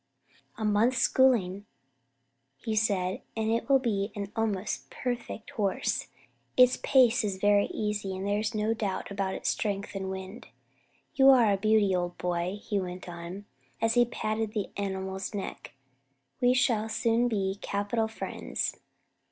"A month's schooling," he said, "and it will be an almost perfect horse; its pace is very easy, and there's no doubt about its strength and wind. You are a beauty, old boy," he went on, as he patted the animal's neck, "we shall soon be capital friends."